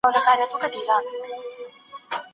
علم د پروردګار صفت دی.